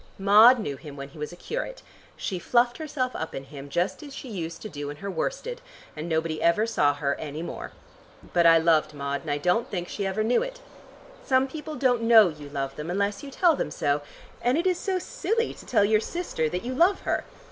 Maud knew him when he was a curate. She fluffed herself up in him, just as she used to do in her worsted, and nobody ever saw her any more. But I loved Maud, and I don't think she ever knew it. Some people don't know you love them unless you tell them so, and it is so silly to tell your sister that you love her.